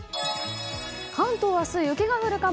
関東は明日、雪が降るかも。